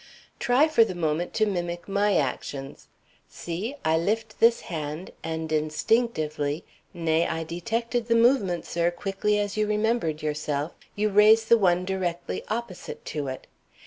Try, for the moment, to mimic my actions. See! I lift this hand, and instinctively (nay, I detected the movement, sir, quickly as you remembered yourself), you raise the one directly opposite to it.